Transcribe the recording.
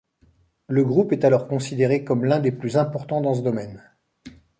Le groupe est alors considéré comme l'un des plus importants dans ce domaine.